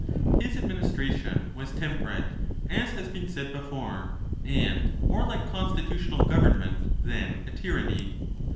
His administration was temperate, as has been said before, and more like constitutional government than a tyranny.